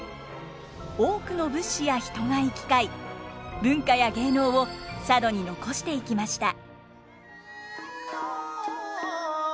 多くの物資や人が行き交い文化や芸能を佐渡に残していきました。